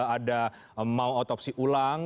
ada mau otopsi ulang